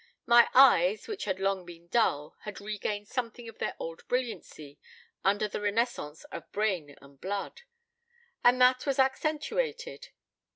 My eyes, which had long been dull, had regained something of their old brilliancy under the renaissance of brain and blood, and that was accentuated.